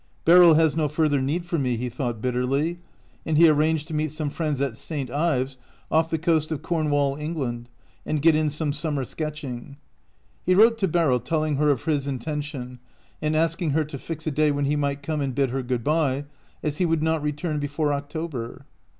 "Beryl has no further need for me," he thought, bitterly, and he arranged to meet some friends at St. Ives, off the coast of Cornwall, England, and get in some sum mer sketching. He wrote to Beryl telling her of his intention, and asking her to fix a day when he might come and bid her good by, as he would not return before October.